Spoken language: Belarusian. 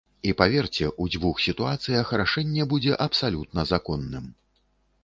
І паверце, у дзвюх сітуацыях рашэнне будзе абсалютна законным.